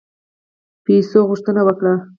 پیسو غوښتنه وکړه.